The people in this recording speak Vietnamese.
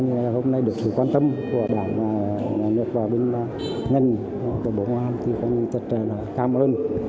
hôm nay được sự quan tâm của bản lý nhật và bình ngân của bộ ngoại hóa thì cũng thật chân cảm ơn